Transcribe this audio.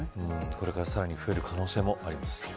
これからさらに増える可能性もあります。